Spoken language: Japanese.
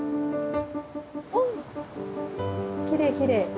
おきれいきれい。